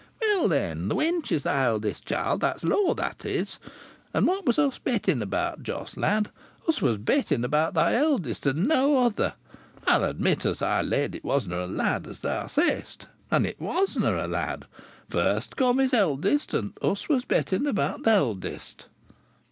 "Well, then! Th' wench is thy eldest child. That's law, that is. And what was us betting about, Jos lad? Us was betting about thy eldest and no other. I'll admit as I laid it wasna' a lad, as thou sayst. And it wasna' a lad. First come is eldest, and us was betting about eldest."